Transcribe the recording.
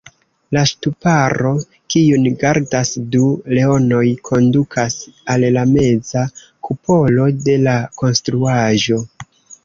La ŝtuparo, kiun gardas du leonoj, kondukas al la meza kupolo de la konstruaĵo.